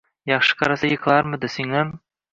Yaxshi qarasa yiqilarmidi, singlim?